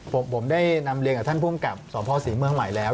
ผมได้นำเรียนกับท่านภูมิกับสภศรีเมืองใหม่แล้ว